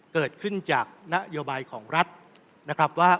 เกิดขึ้นจากนโยบายของรัฐนะครับว่า